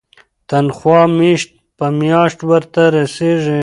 تنخوا میاشت په میاشت ورته رسیږي.